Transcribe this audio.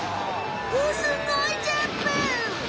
おすごいジャンプ！